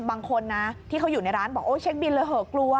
บางคนนะที่เขาอยู่ในร้านบอกโอ้เช็คบินเลยเหอะกลัว